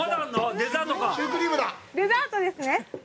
デザートですね。